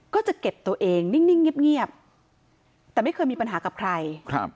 ก็จะเก็บตัวเองนิ่งเงียบแต่ไม่เคยมีปัญหากับใครครับ